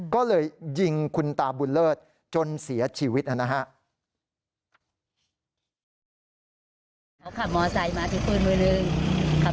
ก็เลยยิงคุณตาบุญเลิศจนเสียชีวิตนะครับ